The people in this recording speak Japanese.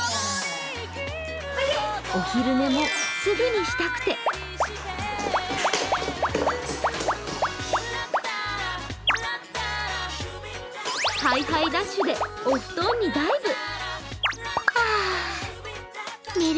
お昼寝もすぐにしたくてハイハイダッシュでお布団にダイブ。